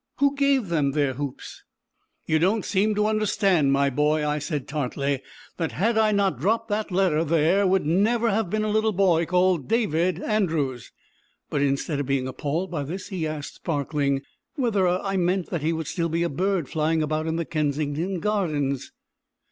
Who gave them their hoops? "You don't seem to understand, my boy," I said tartly, "that had I not dropped that letter, there would never have been a little boy called David A ." But instead of being appalled by this he asked, sparkling, whether I meant that he would still be a bird flying about in the Kensington Gardens.